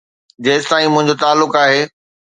جيستائين منهنجو تعلق آهي.